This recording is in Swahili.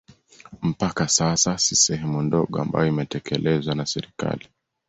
Mpaka sasa ni sehemu ndogo ambayo imetekelezwa na serikali